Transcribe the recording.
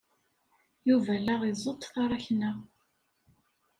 Yuba la iẓeṭṭ taṛakna.